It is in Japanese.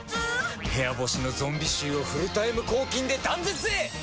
部屋干しのゾンビ臭をフルタイム抗菌で断絶へ！